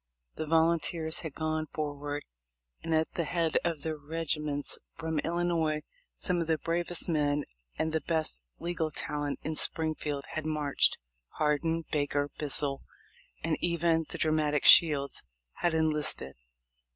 The volunteers had gone forward, and at the head of the regiments from Illinois some of the bravest men and the best legal talent in Springfield 4iad marched. Hardin, Baker, Bissell, and even the dramatic Shields had enlisted.